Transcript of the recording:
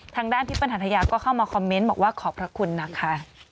ทางด้านพี่เปิ้หัทยาก็เข้ามาคอมเมนต์บอกว่าขอบพระคุณนะคะ